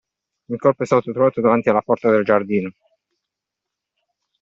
Il corpo è stato trovato davanti alla porta del giardino.